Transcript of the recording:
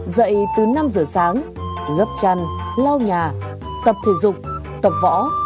dậy từ năm giờ sáng lớp chăn lau nhà tập thể dục tập võ